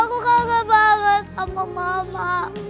aku kangen banget sama mama